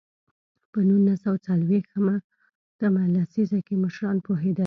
په نولس سوه څلوېښت مه لسیزه کې مشران پوهېدل.